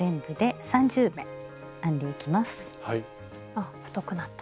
あっ太くなった。